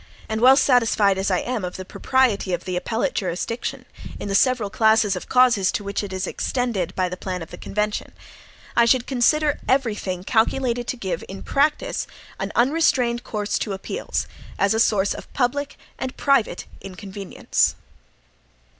And well satisfied as I am of the propriety of the appellate jurisdiction, in the several classes of causes to which it is extended by the plan of the convention. I should consider every thing calculated to give, in practice, an unrestrained course to appeals, as a source of public and private inconvenience.